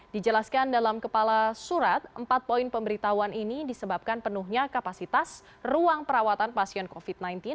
dijelaskan dalam kepala surat empat poin pemberitahuan ini disebabkan penuhnya kapasitas ruang perawatan pasien covid sembilan belas